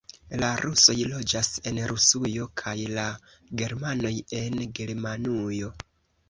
La rusoj loĝas en Rusujo kaj la germanoj en Germanujo.